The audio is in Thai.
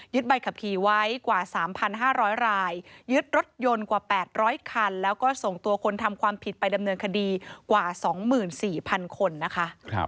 ใบขับขี่ไว้กว่า๓๕๐๐รายยึดรถยนต์กว่า๘๐๐คันแล้วก็ส่งตัวคนทำความผิดไปดำเนินคดีกว่า๒๔๐๐๐คนนะคะ